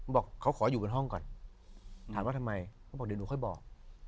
บอกเขาขออยู่บนห้องก่อนถามว่าทำไมเขาบอกเดี๋ยวหนูค่อยบอก